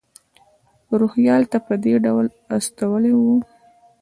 روهیال ته په دې ډول استولی و.